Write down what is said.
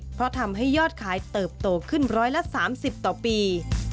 เพราะทำให้ยอดขายเติบโตขึ้น๑๓๐ต่อปี